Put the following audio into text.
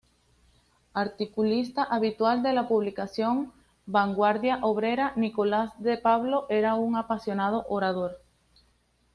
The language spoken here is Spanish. Articulista habitual de la publicación "Vanguardia Obrera", Nicolás de Pablo era un apasionado orador.